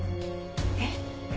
えっ？